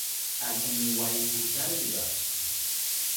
A gęę way wur darge ga.